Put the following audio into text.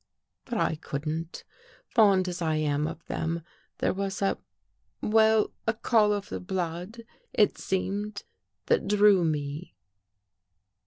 But I couldn't. Fond as I am of them, there was a — well, a call of the blood, it seemed, that drew me."